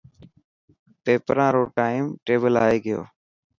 پيپران رو ٽائم ٽيبل آي گيو.